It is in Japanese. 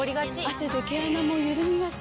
汗で毛穴もゆるみがち。